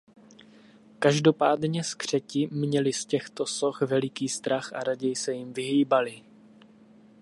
Každopádně skřeti měli z těchto soch veliký strach a raději se jim vyhýbali.